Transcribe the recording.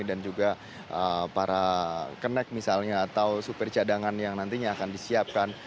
dan juga para kenek misalnya atau supir cadangan yang nantinya akan disiapkan